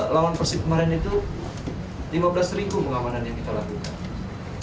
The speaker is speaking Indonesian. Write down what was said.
lawan persib kemarin itu lima belas ribu pengamanan yang kita lakukan